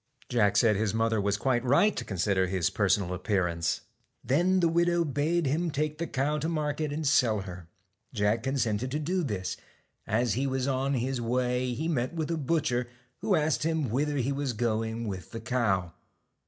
Jack said his mother was quite right to con sider his personal appearance. Then the widow bade him take the cow to market and sell her. Jack consented to do this. As he was on his way he met with a butcher, who asked him whither he was going with the cow.